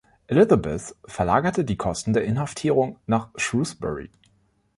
Elizabeth verlagerte die Kosten der Inhaftierung nach Shrewsbury.